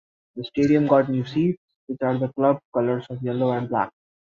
The stadium got new seats, which are the club colors of yellow and black.